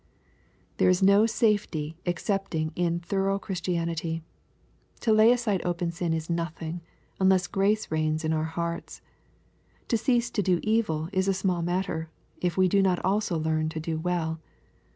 There is no safety excepting in thorough Christianity To lay aside o[)en sin is nothing, unless grace reigns in our hearts. To cease to do evil is a small matter, if we do not also learn to do well.